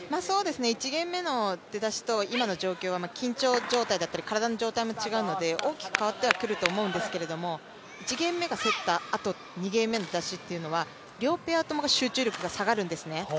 １ゲーム目の状態と今の出だしは緊張状態だったり、体の状態も違うので、大きく変わってはくると思うんですけれども、１ゲームが競ったあと、２ゲーム目の出だしって両チームとも集中力が下がるんですね。